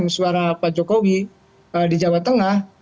suara pak jokowi di jawa tengah